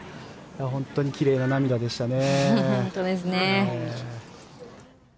本当に奇麗な涙でしたね。